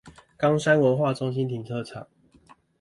岡山文化中心停車場